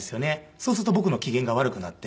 そうすると僕の機嫌が悪くなって。